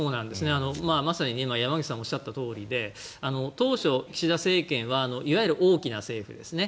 まさに今山口さんがおっしゃったとおりで当初、岸田政権はいわゆる大きな政府ですね。